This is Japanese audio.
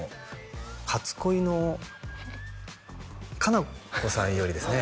初恋のカナコさんよりですね